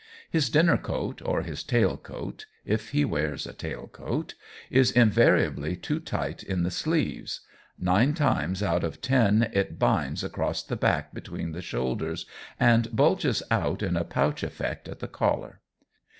His dinner coat or his tail coat, if he wears a tail coat, is invariably too tight in the sleeves; nine times out of ten it binds across the back between the shoulders, and bulges out in a pouch effect at the collar.